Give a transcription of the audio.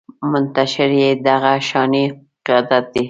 منتشر يې دغه شانې قیادت دی